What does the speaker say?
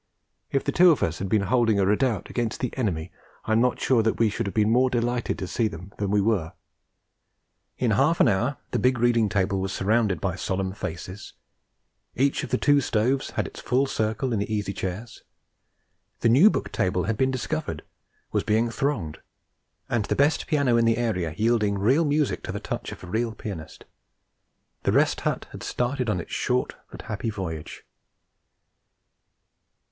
If the two of us had been holding a redoubt against the enemy, I am not sure that we should have been more delighted to see them than we were. In half an hour the big reading table was surrounded by solemn faces; each of the two stoves had its full circle in the easy chairs; the New Book Table had been discovered, was being thronged, and the best piano in the area yielding real music to the touch of a real pianist. The Rest Hut had started on its short but happy voyage.